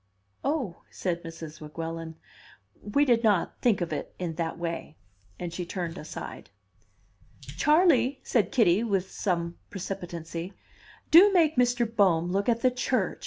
"Oh," said Mrs. Weguelin, "we did not think of it in that way." And she turned aside. "Charley," said Kitty, with some precipitancy, "do make Mr. Bohm look at the church!"